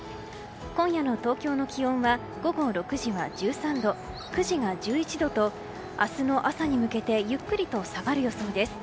今夜の東京の気温は午後６時は１３度９時が１１度と明日の朝に向けてゆっくりと下がる予想です。